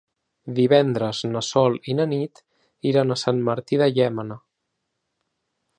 Divendres na Sol i na Nit iran a Sant Martí de Llémena.